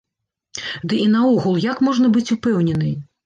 Ды і наогул, як можна быць упэўненай?